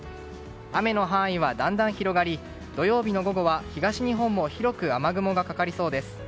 雨の範囲はだんだん広がり土曜日の午後は東日本も広く雨雲がかかりそうです。